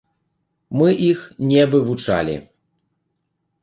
Мы іх не вывучалі.